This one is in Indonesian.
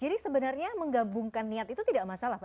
jadi sebenarnya menggabungkan niat itu tidak masalah